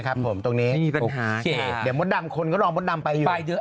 ครับผมตรงนี้ไม่มีปัญหาเขตเดี๋ยวมดดำคนก็ลองมดดำไปอยู่ไปเยอะ